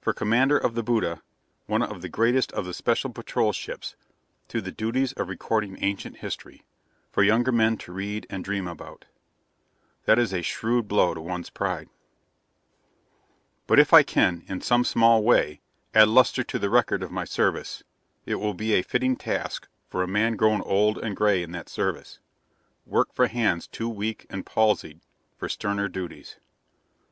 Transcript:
From commander of the Budi, one of the greatest of the Special Patrol ships, to the duties of recording ancient history, for younger men to read and dream about. That is a shrewd blow to one's pride. But if I can, in some small way, add luster to the record of my service, it will be a fitting task for a man grown old and gray in that service; work for hands too weak and palsied for sterner duties.